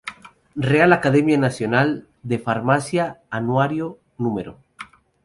Real Academia Nacional de Farmacia, Anuario, num.